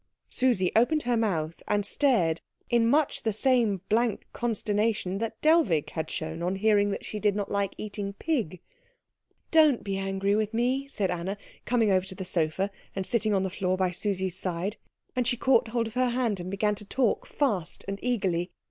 Susie opened her mouth and stared in much the same blank consternation that Dellwig had shown on hearing that she did not like eating pig. "Don't be angry with me," said Anna, coming over to the sofa and sitting on the floor by Susie's side; and she caught hold of her hand and began to talk fast and eagerly.